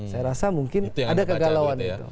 saya rasa mungkin ada kegalauan itu